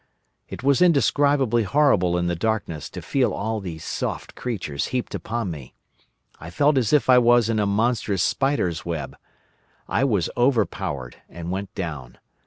It was indescribably horrible in the darkness to feel all these soft creatures heaped upon me. I felt as if I was in a monstrous spider's web. I was overpowered, and went down.